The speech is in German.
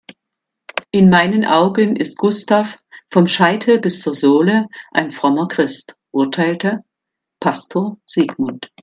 In meinen Augen ist Gustav vom Scheitel bis zur Sohle ein frommer Christ, urteilte Pastor Sigmund.